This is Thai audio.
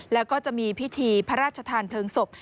แล้วก็จะมีพิธีพระราชทานเพลิงศพ